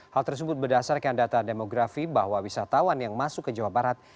hal tersebut berdasarkan data demografi bahwa wisatawan yang masuk ke jawa barat